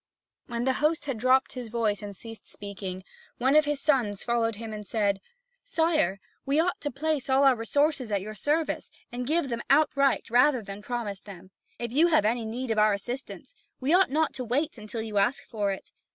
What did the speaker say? (Vv. 2979 3020.) When the host had dropped his voice and ceased speaking, one of his sons followed him and said: "Sire, we ought to place all our resources at your service, and give them outright rather than promise them; if you have any need of our assistance, we ought not to wait until you ask for it.